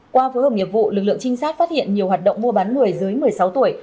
qua phối hợp nghiệp vụ lực lượng trinh sát phát hiện nhiều hoạt động mua bán người dưới một mươi sáu tuổi